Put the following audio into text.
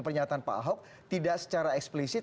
pernyataan pak ahok tidak secara eksplisit